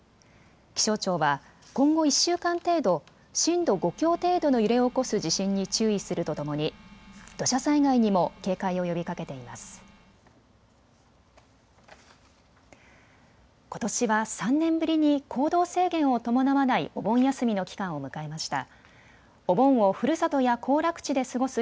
気象庁は今後１週間程度、震度５強程度の揺れを起こす地震に注意するとともに土砂災害にも警戒を呼びかけています。